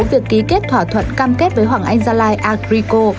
việc ký kết thỏa thuận cam kết với hoàng anh gia lai akriko